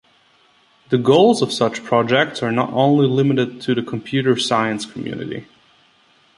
The goals of such projects are not only limited to the computer science community.